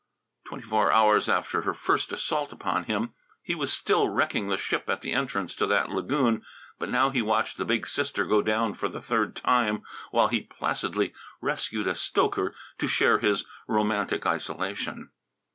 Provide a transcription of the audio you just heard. Twenty four hours after her first assault upon him he was still wrecking the ship at the entrance to that lagoon, but now he watched the big sister go down for the third time while he placidly rescued a stoker to share his romantic isolation.